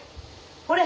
ほれ！